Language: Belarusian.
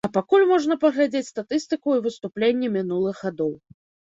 А пакуль можна паглядзець статыстыку і выступленні мінулых гадоў.